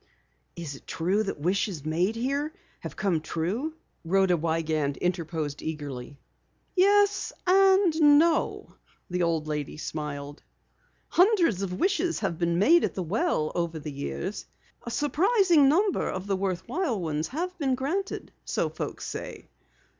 "Is it true that wishes made there have come true?" Rhoda Wiegand interposed eagerly. "Yes and no," the old lady smiled. "Hundreds of wishes have been made at the well over the years. A surprising number of the worthwhile ones have been granted, so folks say.